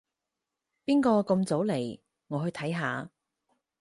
邊個咁早嚟？我去睇下